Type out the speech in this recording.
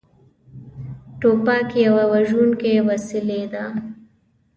توپک یوه وژونکې وسلې ده.